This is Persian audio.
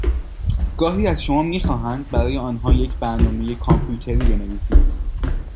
گاهی از شما میخواهند برای آنها یک برنامه کامپیوتری بنویسید